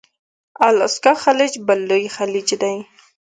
الاسکا خلیج بل لوی خلیج دی.